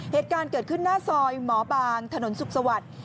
เหตุการณ์เกิดขึ้นหน้าซอยหมอบางถนนสุขสวัสดิ์